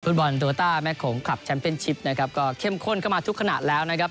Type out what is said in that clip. บอลโรต้าแม่โขงคลับแชมเป็นชิปนะครับก็เข้มข้นเข้ามาทุกขณะแล้วนะครับ